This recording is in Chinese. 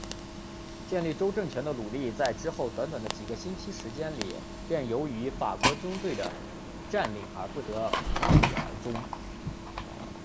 建立州政权的努力在之后短短的几个星期时间里便由于法国军队的占领而不得无果而终。